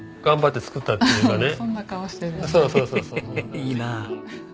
いいなあ。